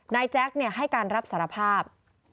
แจ๊คให้การรับสารภาพ